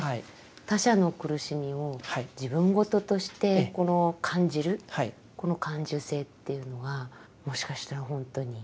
他者の苦しみを自分事として感じるこの感受性というのはもしかしたら本当に。